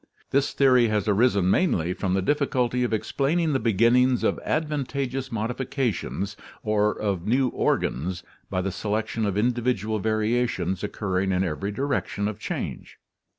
This theory has arisen mainly from the difficulty of explaining the beginnings of advantageous modifications or of new organs by the selection of individual variations occurring in every direction of change.